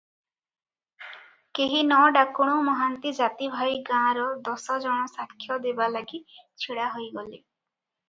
କେହି ନ ଡାକୁଣୁ ମହାନ୍ତି ଜାତିଭାଇ ଗାଁର ଦଶ ଜଣ ସାକ୍ଷ ଦେବା ଲାଗି ଛିଡ଼ା ହୋଇଗଲେ ।